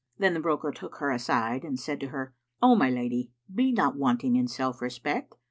Then the broker took her aside and said to her, "O my lady, be not wanting in self respect.